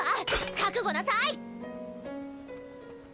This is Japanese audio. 覚悟なさい！